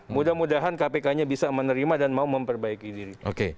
mudah mudahan kpk nya bisa menerima dan mau memperbaiki diri